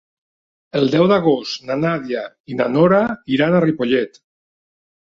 El deu d'agost na Nàdia i na Nora iran a Ripollet.